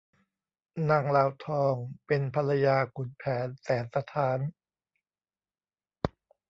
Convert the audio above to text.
นางลาวทองเป็นภรรยาขุนแผนแสนสะท้าน